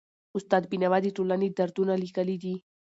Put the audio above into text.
استاد بینوا د ټولني دردونه لیکلي دي.